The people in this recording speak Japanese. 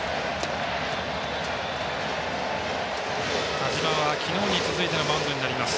田島は昨日に続いてのマウンドになります。